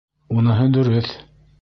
Уныһы дөрөҫ!